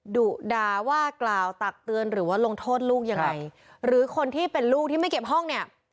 ดุดาว่ากล่าวตักเตือนหรือว่าลงโทษลูกยังไงหรือคนที่เป็นลูกที่ไม่เก็บห้องเนี่ย